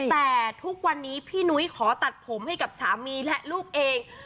แต่ทุกวันนี้พี่นุ้ยขอตัดผมให้กับสามีและลูกเอง